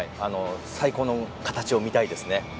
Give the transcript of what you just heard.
最高の形を見たいですね。